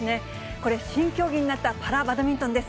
これ新競技になったパラバドミントンです。